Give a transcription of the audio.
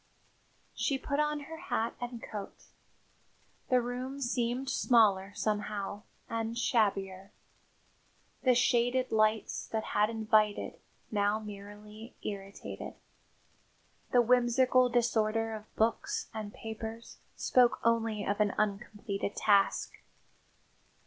She put on her hat and coat. The room seemed smaller somehow and shabbier. The shaded lights that had invited, now merely irritated; the whimsical disorder of books and papers spoke only of an uncompleted task.